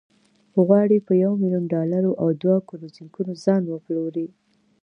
غواړي په یو میلیون ډالرو او دوه کروزینګونو ځان وپلوري.